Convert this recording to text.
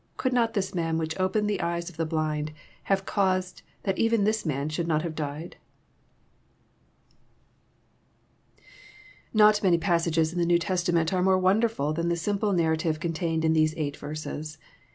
Could not this man, which opened the eyes of the blind, have caused that even this mao should not have died ? Not many passages in the New Testament are more won derful than the simple narrative contained in these eight verses.